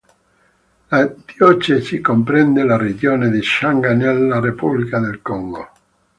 La diocesi comprende la regione di Sangha nella repubblica del Congo.